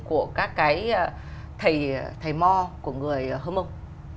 của các cái thầy mò của người hơ mông